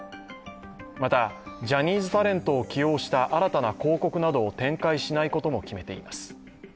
また、ジャニーズタレントを起用した新たな広告などを展開しないことも決めています。